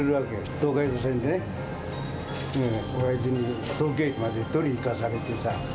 東海道線でね、おやじに東京駅まで取りに行かされてさ。